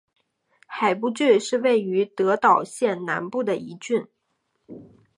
海部郡是位于德岛县南部的一郡。